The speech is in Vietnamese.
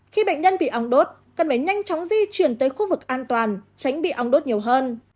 khi bệnh nhân bị ong đốt cần phải nhanh chóng di chuyển tới khu vực an toàn tránh bị ong đốt nhiều hơn